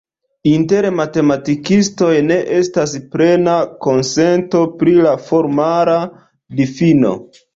Inter matematikistoj ne estas plena konsento pri la formala difino.